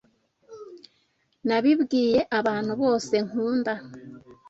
Nabibwiye abantu bose nkunda